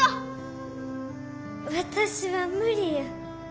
私は無理や。